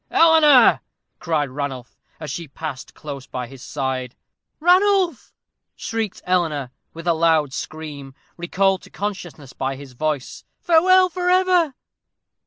"Eleanor!" cried Ranulph, as she passed close by his side. "Ranulph!" shrieked Eleanor, with a loud scream, recalled to consciousness by his voice, "farewell for ever."